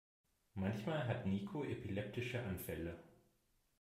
Manchmal hat Niko epileptische Anfälle.